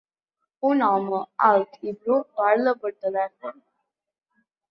Un home alt i bru parla per telèfon.